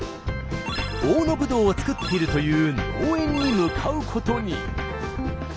大野ぶどうを作っているという農園に向かうことに。